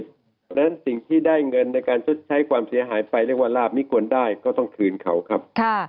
เพราะฉะนั้นสิ่งที่ได้เงินในการชดใช้ความเสียหายไปเรียกว่าลาบนี้ควรได้ก็ต้องคืนเขาครับ